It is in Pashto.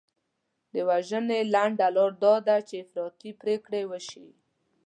د وژنې لنډه لار دا ده چې افراطي پرېکړې وشي.